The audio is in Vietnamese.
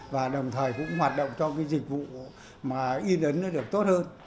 và đồng thời cũng hoạt động cho cái dịch vụ mà in ấn nó được tốt hơn